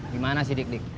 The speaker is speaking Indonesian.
di mana si dik dik